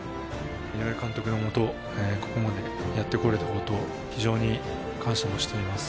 井上監督の下、ここまでやって来れたこと、非常に感謝をしています。